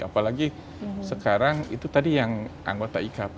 apalagi sekarang itu tadi yang anggota ikp